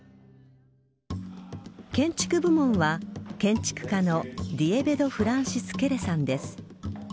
建築部門は建築家のディエベド・フランシス・ケレさんです。